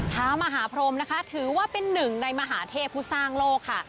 ท้าวมหาพรมนะคะถือว่าเป็น๑ในมหาเทพศ์ผู้สร้างโลกค่ะ